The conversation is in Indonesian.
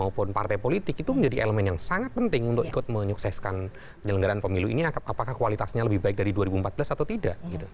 maupun partai politik itu menjadi elemen yang sangat penting untuk ikut menyukseskan penyelenggaraan pemilu ini apakah kualitasnya lebih baik dari dua ribu empat belas atau tidak